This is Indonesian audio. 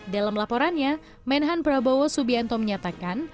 dalam laporannya menhan prabowo subianto menyatakan